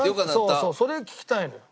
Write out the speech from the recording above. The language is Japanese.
そうそうそれが聞きたいのよ。